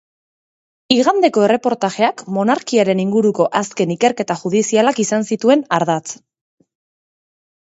Igandeko erreportajeak monarkiaren inguruko azken ikerketa judizialak izan zituen ardatz.